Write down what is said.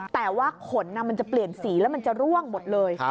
แต่ว่าขนมันจะเปลี่ยนสีแล้วมันจะร่วงหมดเลย